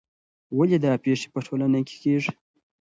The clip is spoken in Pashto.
ولې دا پېښې په ټولنه کې کیږي؟